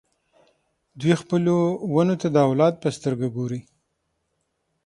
دوی خپلو ونو ته د اولاد په سترګه ګوري.